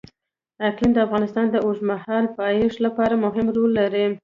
اقلیم د افغانستان د اوږدمهاله پایښت لپاره مهم رول لري.